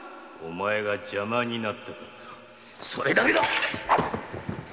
お前が邪魔になったからそれだけだ！